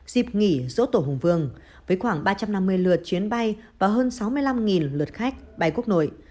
dịp nghỉ dỗ tổ hùng vương với khoảng ba trăm năm mươi lượt chuyến bay và hơn sáu mươi năm lượt khách bay quốc nội